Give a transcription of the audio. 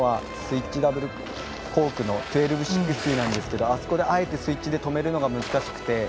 スイッチダブルコークの１２６０なんですけどあそこで、あえてスイッチで止めるのが難しくて。